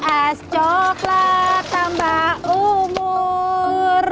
es coklat tambah umur